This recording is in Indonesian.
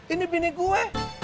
ini bini gue